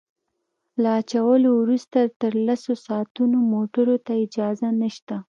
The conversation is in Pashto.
له اچولو وروسته تر لسو ساعتونو موټرو ته اجازه نشته